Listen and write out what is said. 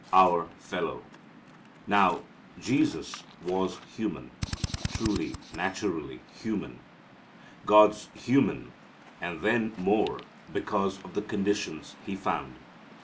Our Fellow. Now, Jesus was human; truly naturally human, God's human, and then more because of the conditions He found.